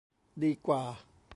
ดีกว่า